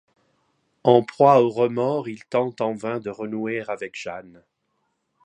En proie aux remords, il tente en vain de renouer avec Jeanne.